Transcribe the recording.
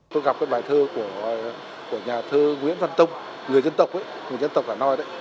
tôi gặp bài thơ của nhà thơ nguyễn văn tông người dân tộc hà nội